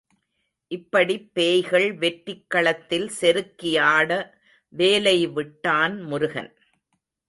இப்படிப் பேய்கள் வெற்றிக் களத்தில் செருக்கி ஆட வேலை விட்டான் முருகன்.